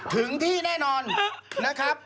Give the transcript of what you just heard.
ถึงที่แน่นอนนะครับ